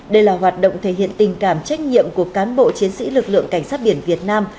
đây là hoạt động thể hiện tình cảm trách nhiệm của cán bộ chiến sĩ lực lượng cảnh sát biển việt nam